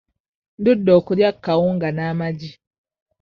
Ndudde okulya ku kawunga n'amagi.